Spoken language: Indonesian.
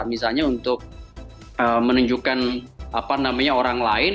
misalnya untuk menunjukkan apa namanya orang lain